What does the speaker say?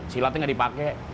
silatnya nggak dipakai